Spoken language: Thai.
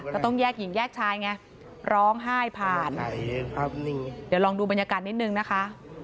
ก็ต้องแยกหญิงแยกชายไงร้องไห้ผ่านเดี๋ยวลองดูบรรยากาศนิดนึงนะคะ